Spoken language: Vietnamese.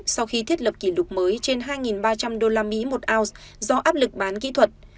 sau khi thiết lập kỷ lục mới trên hai ba trăm linh usd một ounce do áp lực bán kỹ thuật